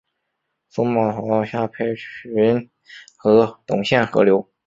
苏茂逃到下邳郡和董宪合流。